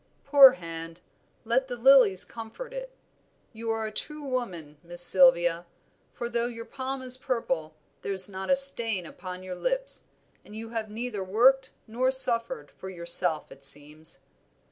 "Poor hand! let the lilies comfort it. You are a true woman, Miss Sylvia, for though your palm is purple there's not a stain upon your lips, and you have neither worked nor suffered for yourself it seems."